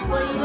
ibu ibu ibu